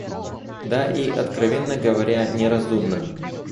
Да и, откровенно говоря, неразумно.